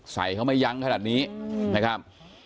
ใส่เขาไม่ยั้งขนาดนี้นะครับ